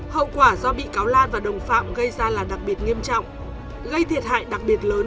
hậu quả do bị cáo lan và đồng phạm gây ra là đặc biệt nghiêm trọng gây thiệt hại đặc biệt lớn